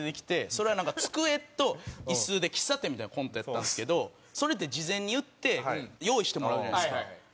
それはなんか机とイスで喫茶店みたいなコントやったんですけどそれって事前に言って用意してもらうじゃないですか。